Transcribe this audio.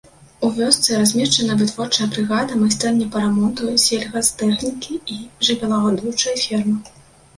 У вёсцы размешчана вытворчая брыгада, майстэрня па рамонту сельгастэхнікі і жывёлагадоўчая ферма.